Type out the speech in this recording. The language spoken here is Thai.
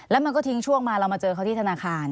แล้วมันก็ทิ้งช่วงมาเรามาเจอเขาที่ธนาคาร